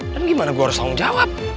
dan gimana gue harus tanggung jawab